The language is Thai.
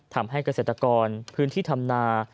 ทำให้เกษตรกรพื้นที่ธรรมนา